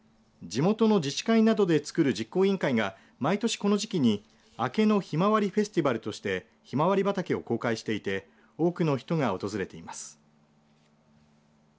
地元の自治会などでつくる実行委員会が毎年この時期にあけのひまわりフェスティバルとしてヒマワリ畑を公開していて多くの人が訪れています。